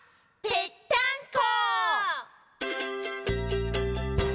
「ぺったんこ！」